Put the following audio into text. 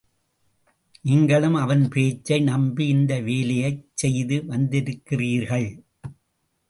நீங்களும் அவன் பேச்சை நம்பி இந்த வேலையைச் செய்து வந்திருக்கிறீர்கள்.